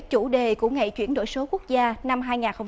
chủ đề của ngày chuyển đổi số quốc gia năm hai nghìn hai mươi